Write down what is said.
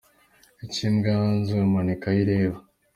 Icyo imbwa yanze umanika aho ireba.